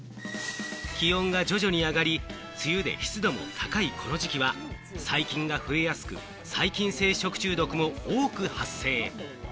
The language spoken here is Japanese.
気温が徐々に上がり、梅雨で湿度も高いこの時期は、細菌が増えやすく、細菌性食中毒も多く発生。